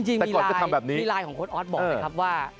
จริงมีไลน์ของโค้ชออสบอกนะครับว่า